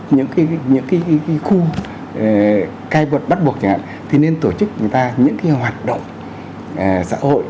những cái khu cai vật bắt buộc chẳng hạn thì nên tổ chức người ta những cái hoạt động xã hội